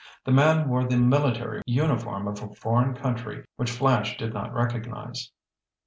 The man wore the military uniform of a foreign country which Flash did not recognize.